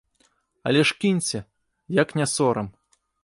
Але ж кіньце, як не сорам.